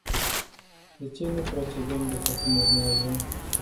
De ce nu procedăm după cum urmează?